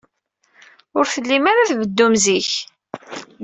Ur tellim ara tbeddum zik.